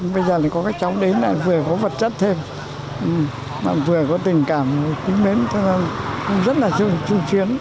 bây giờ có các cháu đến là vừa có vật chất thêm vừa có tình cảm vừa tính đến rất là trung chiến